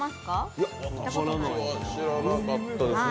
いや、知らなかったですね。